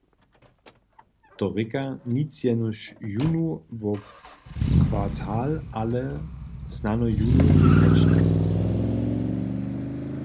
To rěka, nic jenož jónu wob kwartal, ale snano jónu měsačnje.